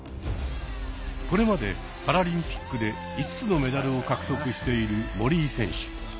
これまでパラリンピックで５つのメダルを獲得している森井選手。